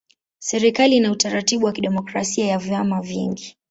Serikali ina utaratibu wa kidemokrasia ya vyama vingi.